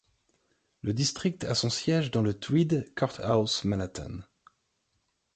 Le district a son siège dans le Tweed Courthouse, Manhattan.